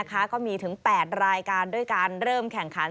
ก็มีถึง๘รายการด้วยการเริ่มแข่งขัน